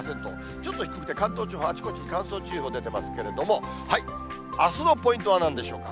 ちょっと低くて関東地方、あちこちに乾燥注意報出てますけれども、あすのポイントはなんでしょうか。